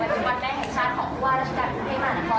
วันแม่แห่งชาติของคุณว่าราชกาลคุณพี่มหานคร